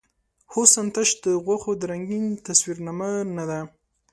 حسن تش د غوښو د رنګین تصویر نامه نۀ ده.